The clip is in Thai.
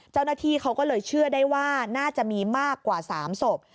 เจ้าหน้าที่เขาก็เลยเชื่อได้ว่าน่าจะมีมากกว่า๓ศพ